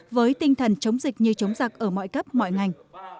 với tinh thần chống dịch như chống giặc ở mọi cấp mọi ngành